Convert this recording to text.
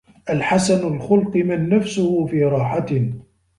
الْحَسَنُ الْخُلُقِ مَنْ نَفْسُهُ فِي رَاحَةٍ